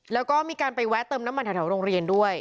แล้วก็มีการไปแวะเติมน้ำมันแถวโรงเรียนด้วย